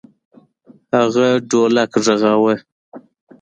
هغه ډولک غږاوه.